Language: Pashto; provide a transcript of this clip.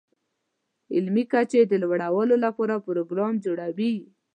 علمي کچې د لوړولو لپاره پروګرام جوړوي.